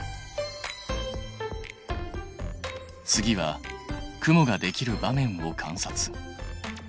次は雲ができる場面を観察。